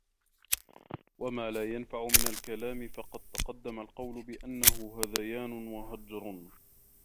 وَمَا لَا يَنْفَعُ مِنْ الْكَلَامِ فَقَدْ تَقَدَّمَ الْقَوْلُ بِأَنَّهُ هَذَيَانٌ وَهَجْرٌ